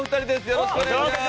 よろしくお願いします。